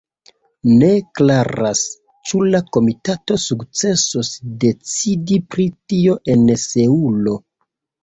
Ne klaras, ĉu la komitato sukcesos decidi pri tio en Seulo.